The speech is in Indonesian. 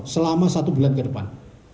selama satu bulan ke depan